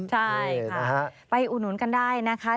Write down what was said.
ใช่ค่ะไปอุดหนุนกันได้นะคะ